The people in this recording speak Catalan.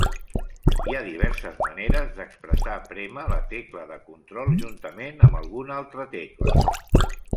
Hi ha diverses maneres d'expressar prémer la tecla de Control juntament amb alguna altra tecla.